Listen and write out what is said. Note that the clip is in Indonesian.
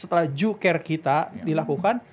setelah care kita dilakukan